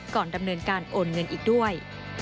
ก่อนดำเนินการโอนเงินอีกด้วย